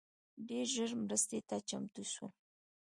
ډېر ژر مرستي ته چمتو سول